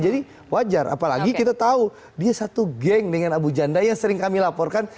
jadi wajar apalagi kita tahu dia satu geng dengan abu janda yang sering kami laporkan